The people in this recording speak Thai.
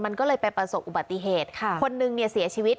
มันก็เลยไปประสบอุบัติเหตุค่ะคนนึงเนี่ยเสียชีวิต